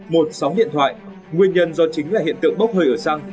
một sóng điện thoại nguyên nhân do chính là hiện tượng bốc hơi ở xăng